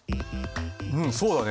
うんそうだね。